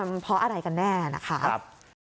มันเพราะอะไรกันแน่นะคะ